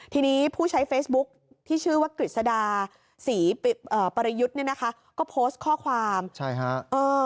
ทีนี้ผู้ใช้เฟซบุ๊คที่ชื่อว่ากฤษดาศรีเอ่อปริยุทธ์เนี่ยนะคะก็โพสต์ข้อความใช่ฮะเออ